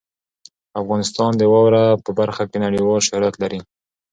افغانستان د واوره په برخه کې نړیوال شهرت لري.